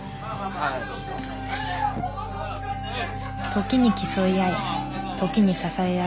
時に競い合い時に支え合う。